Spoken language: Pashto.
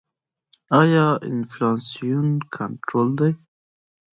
آیا انفلاسیون کنټرول دی؟